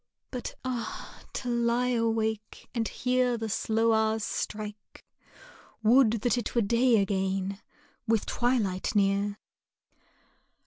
But ah! to lie awake and hear the slow hours strike! Would that it were day again! with twilight near!